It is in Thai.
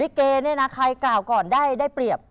เกย์เนี่ยนะใครกล่าวก่อนได้เปรียบ